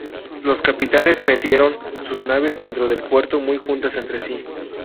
Los capitanes metieron sus naves dentro del puerto muy juntas entre sí.